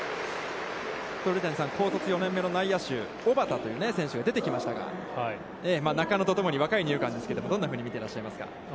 鳥谷さん、高卒４年目の内野手、小幡という選手が出てきましたが、中野とともに若い二遊間ですけど、どんなふうに見てますか。